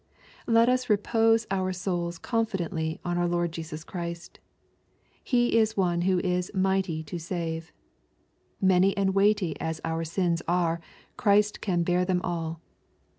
Let us repose our souls confidently on our Lord Jesus Christ. He is one who is " mighty to save." Many and weighty as our sins are, Christ can bear them all.